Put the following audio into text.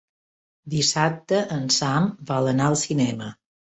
Dissabte en Sam vol anar al cinema.